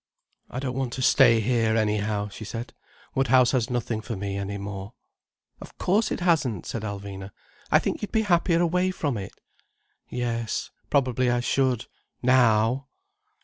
"I don't want to stay here, anyhow," she said. "Woodhouse has nothing for me any more." "Of course it hasn't," said Alvina. "I think you'd be happier away from it." "Yes—probably I should—now!"